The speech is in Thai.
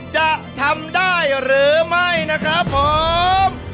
จะทำได้หรือไม่นะครับผม